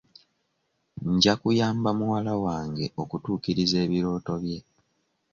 Nja kuyamba muwala wange okutuukiriza ebirooto bye.